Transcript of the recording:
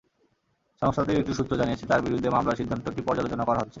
সংস্থাটির একটি সূত্র জানিয়েছে, তাঁর বিরুদ্ধে মামলার সিদ্ধান্তটি পর্যালোচনা করা হচ্ছে।